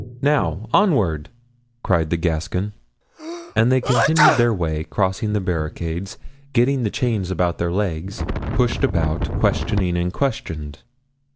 "Now! onward!" cried the Gascon. And they continued their way, crossing the barricades, getting the chains about their legs, pushed about, questioning and questioned.